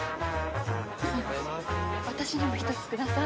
私にも１つください。